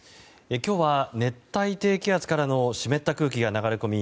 今日は熱帯低気圧からの湿った空気が流れ込み